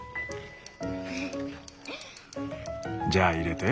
じゃあ入れて。